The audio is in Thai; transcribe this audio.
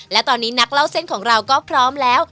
และตอนนี้นักเล่าเส้นของเราก็พร้อมแล้ว